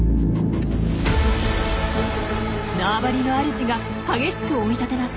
縄張りのあるじが激しく追い立てます。